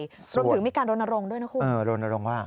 รวมถึงมีการโรนโรงด้วยนะครู